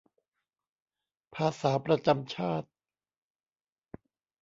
ภาษาประจำชาติ